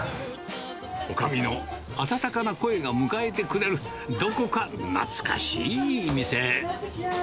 おかみの温かな声が迎えてくれる、どこか懐かしい店。